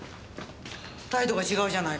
態度が違うじゃないか。